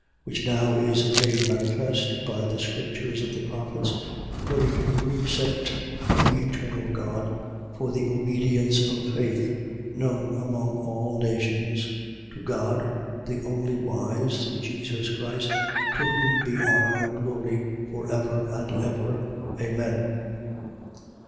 (Which now is made manifest by the scriptures of the prophets, according to the precept of the eternal God, for the obedience of faith) known among all nations: 16:27. To God, the only wise, through Jesus Christ, to whom be honour and glory for ever and ever. Amen.